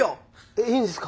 えっいいんですか？